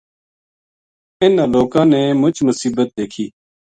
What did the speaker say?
اِنھاں لوکاں نے مُچ مصیبت دیکھی